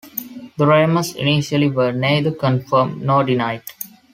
The rumors initially were neither confirmed nor denied.